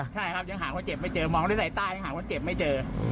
ใช่ครับหาคนเจ็บไม่เจอมองในใต้ก็หาคนเจ็บไม่เจอ